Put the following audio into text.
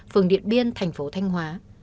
phường điện biên thành phố thanh hóa